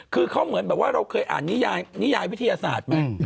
เขาเหมือนเราเคยอ่านภาษรศาสตร์